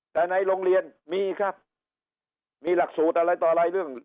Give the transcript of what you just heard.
แต่ในโรงเรียนมีครับมีหลักสูตรอะไรต่ออะไรเรื่อง